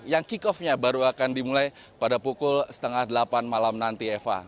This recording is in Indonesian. yang kick off nya baru akan dimulai pada pukul setengah delapan malam nanti eva